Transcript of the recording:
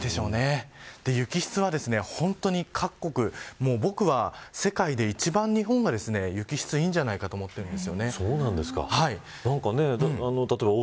雪質は本当に各国僕は世界で一番日本が雪質いいんじゃないかと思っています。